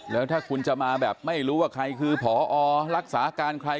แล้วถ้าคุณจะมาแบบไม่รู้ว่าใครคือพอรักษาการใคร